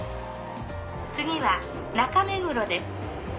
次は中目黒です。